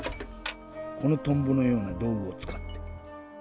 このトンボのようなどうぐをつかって。